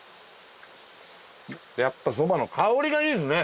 やっぱそばの香りがいいですね！